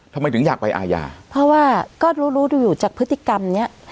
ทำไมถึงอยากไปอาญาเพราะว่าก็รู้รู้ดูอยู่จากพฤติกรรมเนี้ย